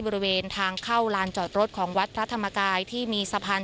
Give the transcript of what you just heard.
บริเวณทางเข้าลานจอดรถของวัดพระธรรมกายที่มีสะพาน